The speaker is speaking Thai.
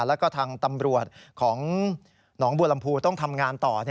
แล้วก็ทางตำรวจของหนองบัวลำพูต้องทำงานต่อ